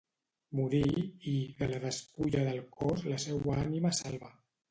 Morí; i, de la despulla del cos la seua ànima salva.